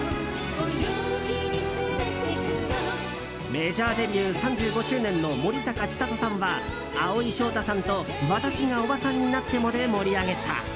メジャーデビュー３５周年の森高千里さんは蒼井翔太さんと「私がオバさんになっても」で盛り上げた。